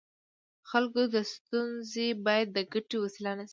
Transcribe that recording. د خلکو ستونزې باید د ګټې وسیله نه شي.